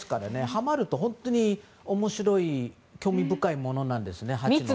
はまると本当に面白い興味深いものなんですね。